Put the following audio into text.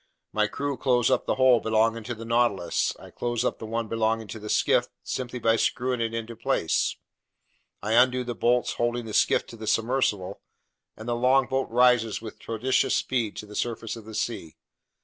My crew close up the hole belonging to the Nautilus; I close up the one belonging to the skiff, simply by screwing it into place. I undo the bolts holding the skiff to the submersible, and the longboat rises with prodigious speed to the surface of the sea.